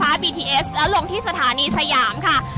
ในวันนี้นะคะย้ำอีกครั้งค่ะคุณผู้ชมนะคะที่อยากจะมา